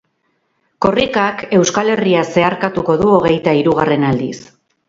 Korrikak Euskal Herria zeharkatuko du hogeita hirugarren aldiz.